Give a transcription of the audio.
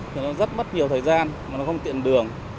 thì nó rất mất nhiều thời gian mà nó không tiện đường